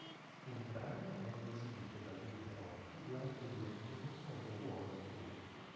Il brano venne esibito dal gruppo rock durante il News of the World Tour.